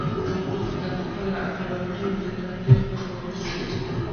خو وروسته خپله امپراتور د توطیې قربان شو.